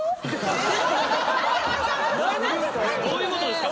どういうことですか？